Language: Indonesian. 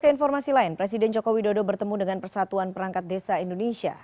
keinformasi lain presiden joko widodo bertemu dengan persatuan perangkat desa indonesia